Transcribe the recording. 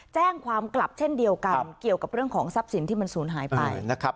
แจ้งความกลับเช่นเดียวกันเกี่ยวกับเรื่องของทรัพย์สินที่มันสูญหายไปนะครับ